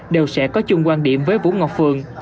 đều sẽ có chung quan điểm với vũ ngọc phương